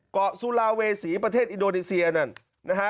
เกาะสุลาเวษีประเทศอินโดนีเซียนั่นนะฮะ